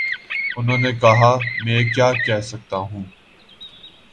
انہوں نے کہا: میں کیا کہہ سکتا ہوں۔